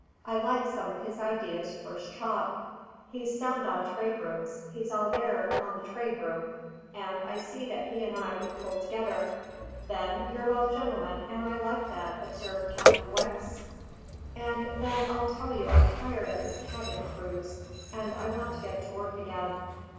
I like some of his ideas first chop. He's sound on traderooms; he's all there on the traderoom, and I see that he and I would pull together. Then you're both gentlemen, and I like that," observed Captain Wicks. "And then I'll tell you I'm tired of this cabbing cruise, and I want to get to work again.